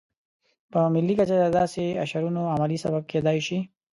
په ملي کچه د داسې اشرونو عملي سبب کېدای شي.